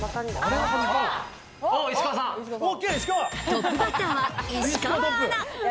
トップバッターは石川アナ。